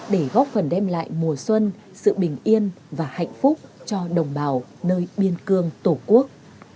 để góp phần đem lại mùa xuân sự bình yên và hạnh phúc cho đồng bào nơi biên cương tổ quốc